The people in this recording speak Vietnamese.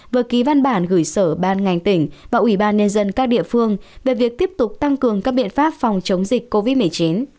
vừa ký văn bản gửi sở ban ngành tỉnh và ủy ban nhân dân các địa phương về việc tiếp tục tăng cường các biện pháp phòng chống dịch covid một mươi chín